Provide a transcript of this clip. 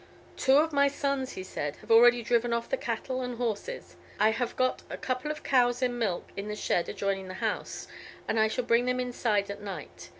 "Two of my sons," he said, "have already driven off the cattle and horses. I have got a couple of cows in milk in the shed adjoining the house, and I shall bring them inside at night.